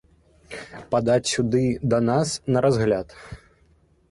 Падаць сюды да нас на разгляд.